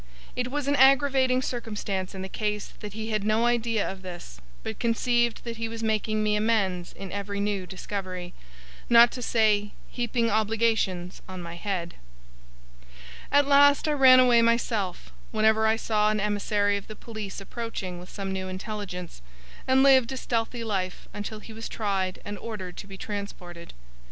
It was an aggravating circumstance in the case that he had no idea of this, but conceived that he was making me amends in every new discovery: not to say, heaping obligations on my head. At last I ran away myself, whenever I saw an emissary of the police approaching with some new intelligence; and lived a stealthy life until he was tried and ordered to be transported.